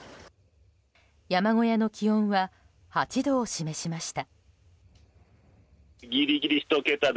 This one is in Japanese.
山小屋の気温は８度を示しました。